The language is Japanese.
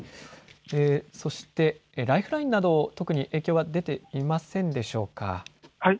そしてライフラインなど特に影響は出ていませんでしょうか。